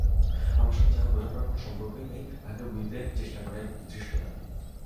আমার সঙ্গে যাহার বোঝাপড়ার কোনো সম্পর্ক নাই তাহাকে বুঝিতে চেষ্টা করাই ধৃষ্টতা।